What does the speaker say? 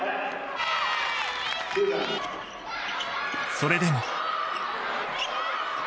それでも。